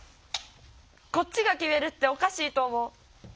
こっちが決めるっておかしいと思う。